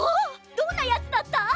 どんなヤツだった？